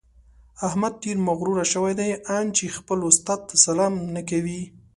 احمد ډېر مغروره شوی دی؛ ان چې خپل استاد ته سلام نه کوي.